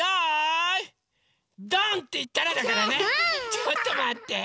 ちょっとまって！